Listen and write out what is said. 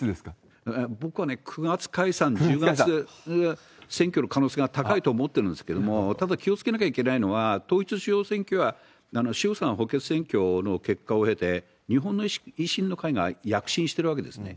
僕は９月解散、１０月選挙の可能性が高いと思ってるんですけれども、ただ気をつけなければいけないのは、統一地方選挙は衆参補欠選挙の結果を経て、日本維新の会が躍進してるわけですね。